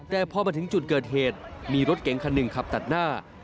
แต่พอมาถึงจุดเกิดเหตุมีรถเก๋งคันหนึ่งขับตัดหน้า